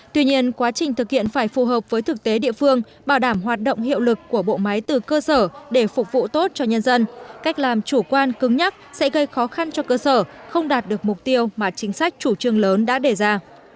tuy nhiên quá trình thực hiện phải phù hợp với thực tế địa phương bảo đảm hoạt động hiệu lực của bộ máy từ cơ sở để phục vụ tốt cho nhân dân cách làm chủ quan cứng nhắc sẽ gây khó khăn cho cơ sở không đạt được mục tiêu mà chính sách chủ trương lớn đã đề ra